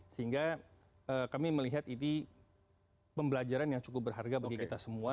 sehingga kami melihat ini pembelajaran yang cukup berharga bagi kita semua